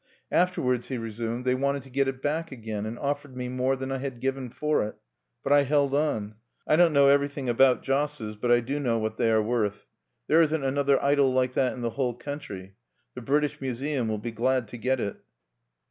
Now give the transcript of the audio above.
"Afterwards," he resumed, "they wanted to get it back again, and offered me more, than I had given for it. But I held on. I don't know everything about josses, but I do know what they are worth. There isn't another idol like that in the whole country. The British Museum will be glad to get it."